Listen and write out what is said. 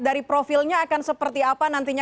dari profilnya akan seperti apa nantinya